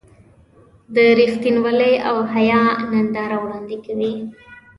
د رښتینولۍ او حیا ننداره وړاندې کوي.